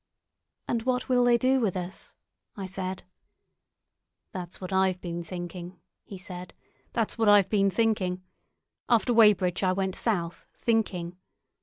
"And what will they do with us?" I said. "That's what I've been thinking," he said; "that's what I've been thinking. After Weybridge I went south—thinking.